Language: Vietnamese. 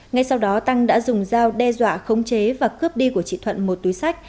ngay sau đó tăng đã dùng dao đe dọa khống chế và cướp đi của chị thuận một túi sách